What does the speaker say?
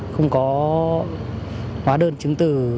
không có hóa đơn chứng từ